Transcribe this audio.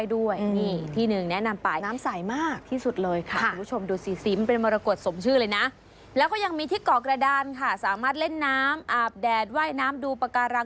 สวยไม่คุณชนะ